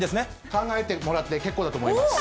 考えてもらって結構だと思います。